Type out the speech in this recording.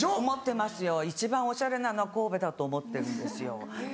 思ってますよ一番おしゃれなのは神戸だと思ってるんですよ。